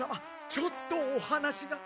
ちょっとお話が。